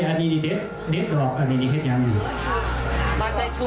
มุกสีเหรอครับ